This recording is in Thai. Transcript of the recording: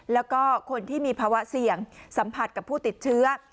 แล้วก็คนที่มีภาวะเสี่ยงสัมผัสกับผู้ติดเชื้อ